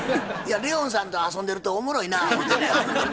いやレオンさんと遊んでるとおもろいなぁ思うてね。